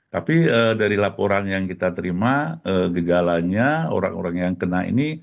tapi dari laporan yang kita terima gejalanya orang orang yang kena ini